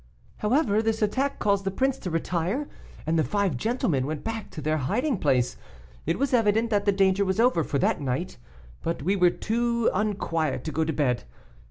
"However, this attack caused the prince to retire, and the five gentlemen went back to their hiding place. It was evident that the danger was over for that night, but we were too unquiet to go to bed.